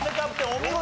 お見事。